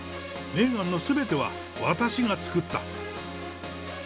メーガンのすべては私が作った。